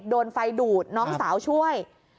โดนไฟดูดน้องสาวช่วย